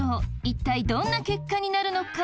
一体どんな結果になるのか？